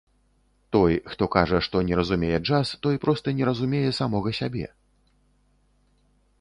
Той, хто кажа, што не разумее джаз, той проста не разумее самога сябе.